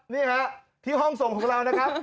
นี่พี่ห้องทรงของเรา